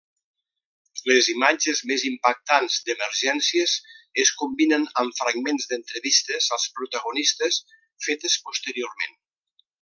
Les imatges més impactants d'Emergències es combinen amb fragments d'entrevistes als protagonistes, fetes posteriorment.